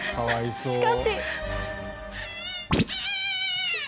しかし。